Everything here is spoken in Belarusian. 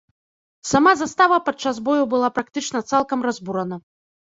Сама застава падчас бою была практычна цалкам разбурана.